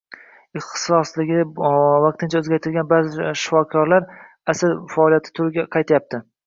Ixtisosligini vaqtincha o‘zgartirgan ba’zi shifoxonalar asl faoliyat turiga qaytyapti